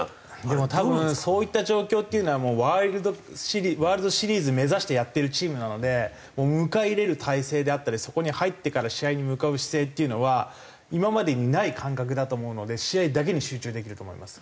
でも多分そういった状況っていうのはもうワールドシリーズ目指してやってるチームなので迎え入れる態勢であったりそこに入ってから試合に向かう姿勢っていうのは今までにない感覚だと思うので試合だけに集中できると思います。